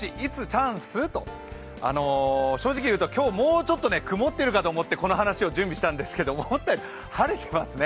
正直言うと今日、もうちょっと曇ってると思ってこの話を準備したんですけど、思ったより晴れてますね。